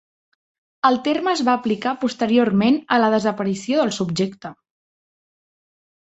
El terme es va aplicar posteriorment a la desaparició del subjecte.